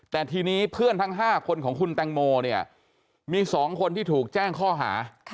แต่ทีนี้เพื่อนทั้ง๕คนของคุณแตงโมเนี่ยมี๒คนที่ถูกแจ้งข้อหา